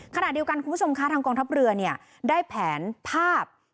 ขณะเดียวกันคุณผู้ชมคะทางกองทัพเรือเนี่ยได้แผนภาพ